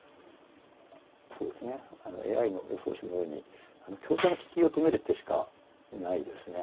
そうですねＡＩの予想手のように香車の利きを止める手しかないですね。